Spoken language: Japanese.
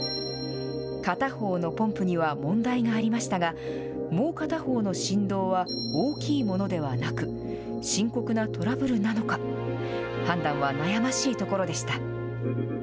片方のポンプには問題がありましたが、もう片方の振動は大きいものではなく、深刻なトラブルなのか、判断は悩ましいところでした。